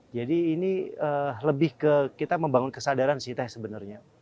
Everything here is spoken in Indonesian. jadi ini lebih ke kita membangun kesadaran sih teh sebenarnya